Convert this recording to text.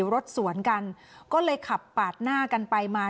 รถสวนกันก็เลยขับปาดหน้ากันไปมา